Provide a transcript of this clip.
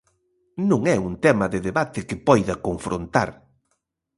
Non é un tema de debate que poida confrontar.